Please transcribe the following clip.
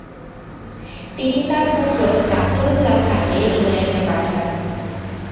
তিনি তার পুত্র নাসরুল্লাহ খানকে ইংল্যান্ডে পাঠান।